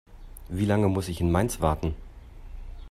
Wie lange muss ich in Mainz warten?